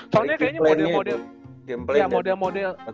soalnya kayaknya model model